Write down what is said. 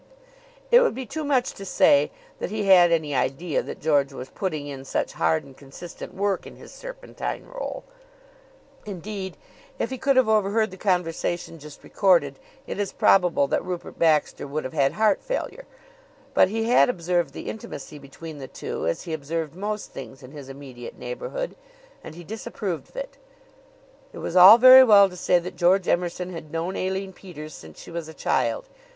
It would be too much to say that he had any idea that George was putting in such hard and consistent work in his serpentine role; indeed if he could have overheard the conversation just recorded it is probable that Rupert Baxter would have had heart failure; but he had observed the intimacy between the two as he observed most things in his immediate neighborhood, and he disapproved of it. It was all very well to say that George Emerson had known Aline Peters since she was a child.